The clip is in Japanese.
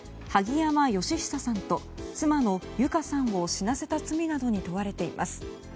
萩山嘉久さんと妻の友香さんを死なせた罪などに問われています。